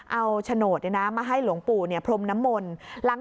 เอาโฉโหนดเนี่ยนะมาให้หลวงปู่เนี่ยพรมน้ำมนหลัง